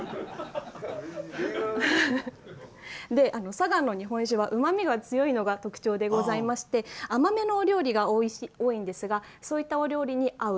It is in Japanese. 佐賀の日本酒はうまみが強いのが特徴でして甘めの料理が多いんですがそういったお料理に合う。